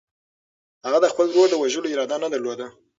هغه د خپل ورور د وژلو اراده نه درلوده.